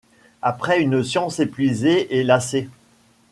Après une science épuisée et lassée